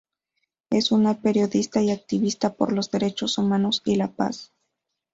Es una periodista y activista por los derechos humanos y la paz.